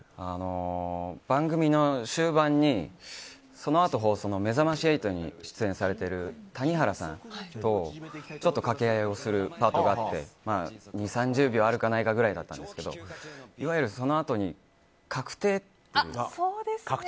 番組の終盤に、そのあと放送の「めざまし８」に出演されている谷原さんとちょっと掛け合いをするパートがあって２０３０秒あるかないかだったんですけどいわゆる、そのあとに確定っていうのが。